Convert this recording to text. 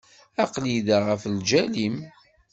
Aql-i da ɣef lǧal-im.